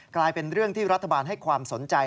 กลายเป็นเรื่องที่รัฐบาลให้ความสนใจ